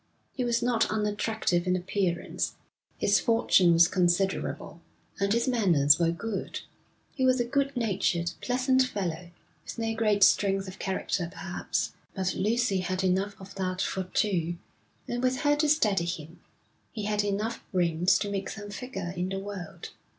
He was not unattractive in appearance, his fortune was considerable, and his manners were good. He was a good natured, pleasant fellow, with no great strength of character perhaps, but Lucy had enough of that for two; and with her to steady him, he had enough brains to make some figure in the world.